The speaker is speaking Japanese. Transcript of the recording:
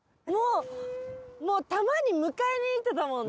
もう球に迎えに行ってたもんね。